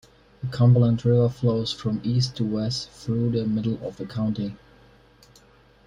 The Cumberland River flows from east to west through the middle of the county.